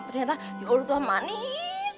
ternyata ya allah tuhan manis